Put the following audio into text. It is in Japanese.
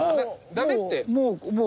ダメって。